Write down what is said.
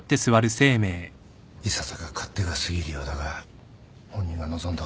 いささか勝手が過ぎるようだが本人が望んだことだ。